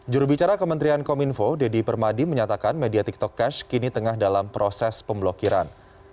jurubicara kementerian kominfo deddy permadi menyatakan media tiktok cash kini tengah dalam proses pemblokiran